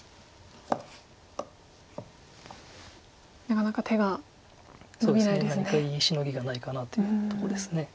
何かいいシノギがないかなというとこです。